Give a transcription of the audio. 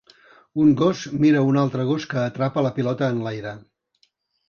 Un gos mira un altre gos que atrapa la pilota en l'aire.